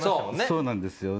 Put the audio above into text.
そうなんですよ。